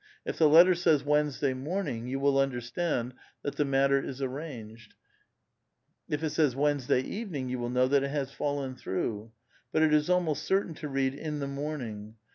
If the letter says Wednesday morning^ j'ou will understand that the matter is arranged ; if it says Wednesday evening^ you will know that it has fallen through. But it is almost certain to read in the morning.